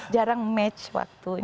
jarang match waktunya